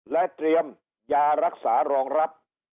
และเตรียมยารักษารองรับ